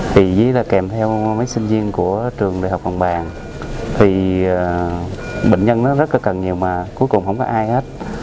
thì với là kèm theo mấy sinh viên của trường đại học hồng bàng thì bệnh nhân nó rất là cần nhiều mà cuối cùng không có ai hết